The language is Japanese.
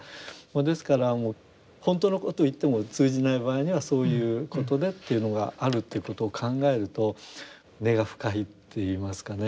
ですから本当のことを言っても通じない場合にはそういうことでというのがあるということを考えると根が深いっていいますかね。